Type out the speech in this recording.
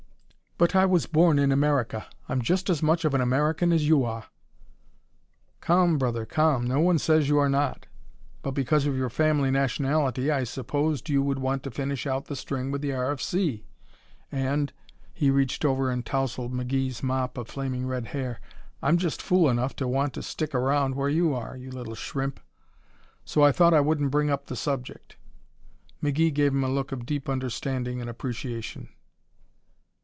"But I was born in America. I'm just as much of an American as you are!" "Calm, brother, calm! No one says you are not. But because of your family nationality, I supposed you would want to finish out the string with the R.F.C. and," he reached over and tousled McGee's mop of flaming red hair, "I'm just fool enough to want to stick around where you are you little shrimp! So I thought I wouldn't bring up the subject." McGee gave him a look of deep understanding and appreciation.